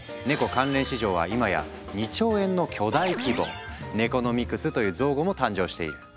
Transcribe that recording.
関連市場はいまや２兆円の巨大規模！「ネコノミクス」という造語も誕生している。